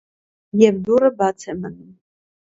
Եվ դուռը բաց է մնում։